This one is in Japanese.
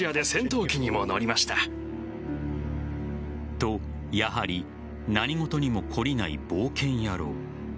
と、やはり何事にも懲りない冒険野郎。